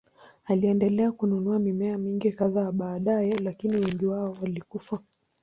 Aliendelea kununua mimea mingine kadhaa baadaye, lakini wengi wao walikufa.